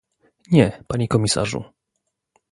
Nie, panie komisarzu